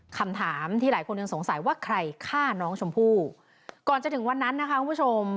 คำถามที่หลายคนยังสงสัยว่าใครฆ่าน้องชมพู่ก่อนจะถึงวันนั้นนะคะคุณผู้ชม